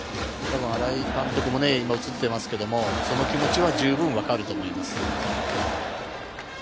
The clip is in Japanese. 新井監督も今、映ってますけれども、その気持ちは十分わかると思います。